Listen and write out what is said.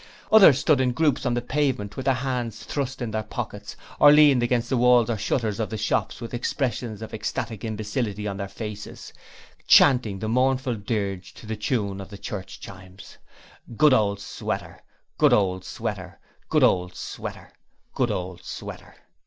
Others stood in groups on the pavement with their hands thrust in their pockets, or leaned against walls or the shutters of the shops with expressions of ecstatic imbecility on their faces, chanting the mournful dirge to the tune of the church chimes, 'Good ole Sweat er Good ole Sweat er Good ole Sweat er Good ole Sweat er.'